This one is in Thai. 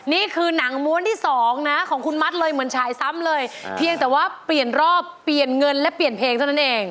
นี่คือหนังม้วนที่สองนะของคุณมัดเลยเหมือนฉายซ้ำเลยเพียงแต่ว่าเปลี่ยนรอบเปลี่ยนเงินและเปลี่ยนเพลงเท่านั้นเอง